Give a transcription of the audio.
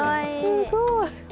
すごい。